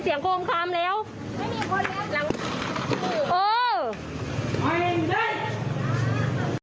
เดี๋ยวให้กลางกินขนม